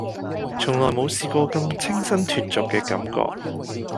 從來冇試過咁清新脫俗嘅感覺